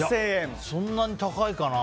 そんなに高いかな。